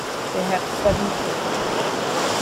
They had seven children.